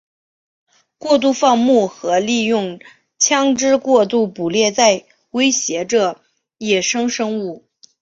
过度放牧和利用枪枝过度捕猎在威胁着野生生物。